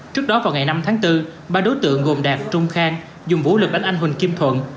trước đó vào ngày năm tháng bốn ba đối tượng gồm đạt trung khang dùng vũ lực đánh anh huỳnh kim thuận